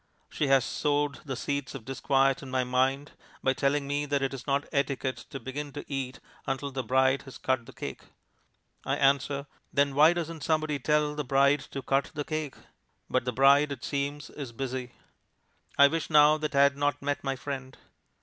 She has sowed the seeds of disquiet in my mind by telling me that it is not etiquette to begin to eat until the bride has cut the cake. I answer, "Then why doesn't somebody tell the bride to cut the cake?" but the bride, it seems, is busy. I wish now that I had not met my friend.